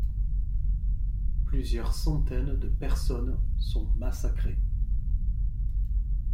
Plusieurs centaines de personnes sont massacrées.